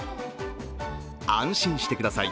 安心してください。